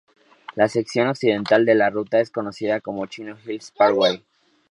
La sección occidental de la ruta es conocida como Chino Hills Parkway.